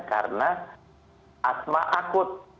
karena asma akut